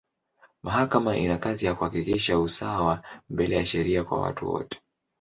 Mahakama ina kazi ya kuhakikisha usawa mbele ya sheria kwa watu wote.